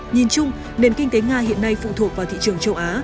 nhìn chung nền kinh tế nga hiện nay phụ thuộc vào thị trường châu á